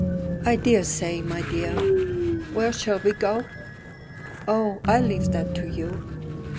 "I daresay, my dear. Where shall we go?" "Oh, I leave that to you."